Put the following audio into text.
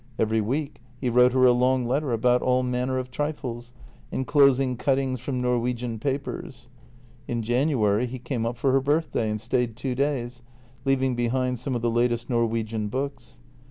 Every week he wrote her a long letter about all manner of trifles, en closing cuttings from Norwegian papers. In January he came up for her birthday and stayed two days, leaving behind some of the latest Norwegian books.